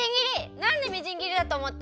なんでみじん切りだとおもった？